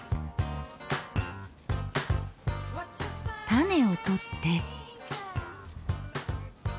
種を取って。